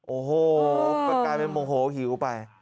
โอ้โหกลายเป็นโมโหหิวไป